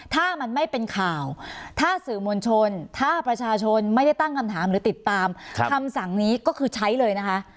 ถ้ามันไม่เป็นข่าวถ้าสื่อมวลชนถ้าประชาชนไม่ได้ตั้งคำถามหรือติดตามคำสั่งนี้ก็คือใช้เลยนะคะ